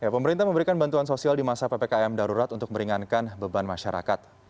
pemerintah memberikan bantuan sosial di masa ppkm darurat untuk meringankan beban masyarakat